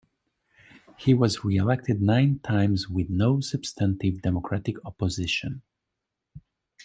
He was reelected nine times with no substantive Democratic opposition.